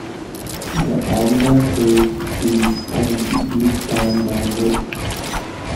The Oneida Creek is on the east town boundary.